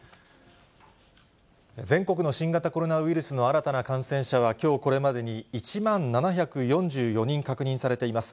全国の新型コロナウイルスの新たな感染者は、きょうこれまでに１万７４４人確認されています。